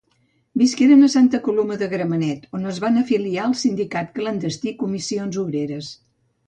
Visqueren a Santa Coloma de Gramenet, on es va afiliar al sindicat clandestí Comissions Obreres.